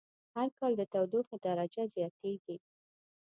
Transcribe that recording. هر کال د تودوخی درجه زیاتیږی